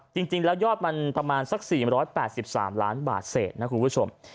จริงแล้วยอดมันประมาณ๔๘๓ล้านบาทเสร็จนะครับคุณผู้ชม